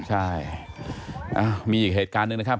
ใช่มีอีกเหตุการณ์หนึ่งนะครับ